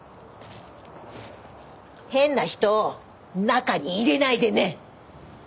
変な人を中に入れないでね！